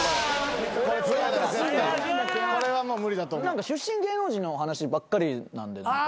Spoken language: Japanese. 何か出身芸能人の話ばっかりなんで何か。